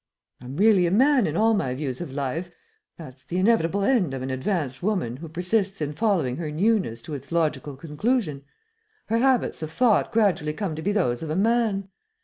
I'm really a man in all my views of life that's the inevitable end of an advanced woman who persists in following her 'newness' to its logical conclusion. Her habits of thought gradually come to be those of a man.